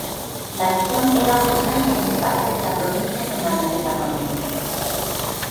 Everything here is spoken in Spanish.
La región era originalmente parte de la provincia romana de Panonia.